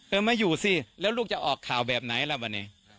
เออมาอยู่สิแล้วลูกจะออกข่าวแบบไหนละเหรอบาเนี่ย